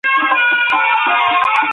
د کډوالو په وړاندي باید زغم وي.